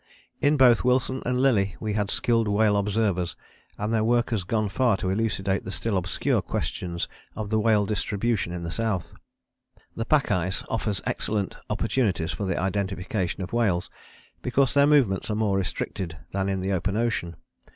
In both Wilson and Lillie we had skilled whale observers, and their work has gone far to elucidate the still obscure questions of whale distribution in the South. The pack ice offers excellent opportunities for the identification of whales, because their movements are more restricted than in the open ocean.